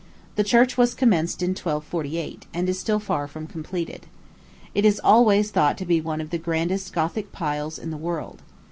The church was commenced in 1248, and is still far from completed. It is always thought to be one of the grandest Gothic piles in the world.